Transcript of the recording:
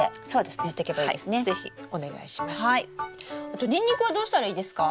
あとニンニクはどうしたらいいですか？